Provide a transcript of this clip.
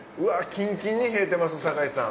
キンキンに冷えてます坂井さん。